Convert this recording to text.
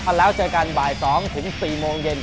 มาแล้วเจอกันบ่าย๒ถึง๔โมงเย็น